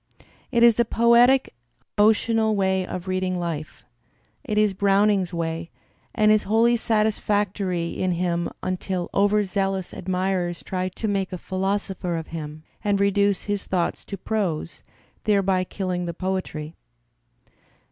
It is a poetic emotional way of read ing life; it is Browning*s way and is wholly satisfactory in him until overzealous admirers try to make a philosopher of him and reduce his thoughts to prose, thereby killing the poetry.